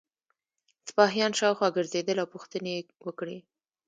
سپاهیان شاوخوا ګرځېدل او پوښتنې یې وکړې.